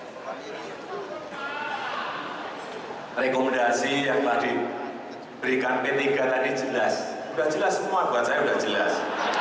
sudah jelas semua buat saya sudah jelas